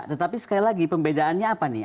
tetapi sekali lagi pembedaannya apa nih